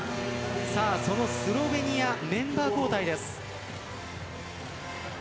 スロベニアのメンバー交代です。